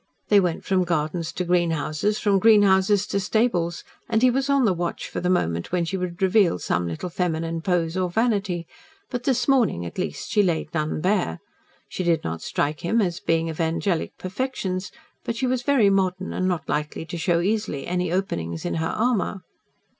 They went from gardens to greenhouses, from greenhouses to stables, and he was on the watch for the moment when she would reveal some little feminine pose or vanity, but, this morning, at least, she laid none bare. She did not strike him as a being of angelic perfections, but she was very modern and not likely to show easily any openings in her armour.